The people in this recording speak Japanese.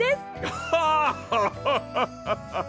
ガハハハハハッ！